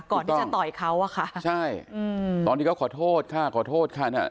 ต่อที่ต่อยเขาอะค่ะใช่อืมตอนที่เขาขอโทษค่ะขอโทษค่ะน่ะ